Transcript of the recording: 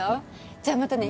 じゃあまたね。